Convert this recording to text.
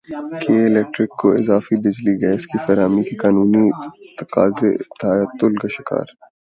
کے الیکٹرک کو اضافی بجلی گیس کی فراہمی کے قانونی تقاضے تعطل کا شکار